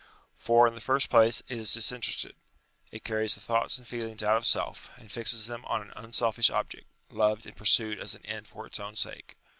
For, in the first place, it is disinterested. It carries the thoughts and feelings out of self, and fixes them on an unselfish object, loved and pursued as an end for its own sake.